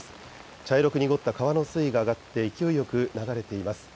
茶色く濁った川の水位が上がって勢いよく流れています。